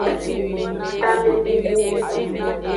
Tamebubu.